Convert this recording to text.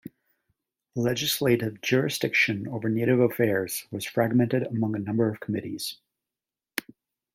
Legislative jurisdiction over Native affairs was fragmented among a number of committees.